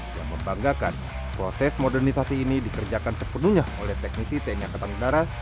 yang membanggakan proses modernisasi ini dikerjakan sepenuhnya oleh teknisi tni angkatan udara